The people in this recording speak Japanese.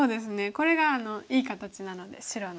これがいい形なので白の。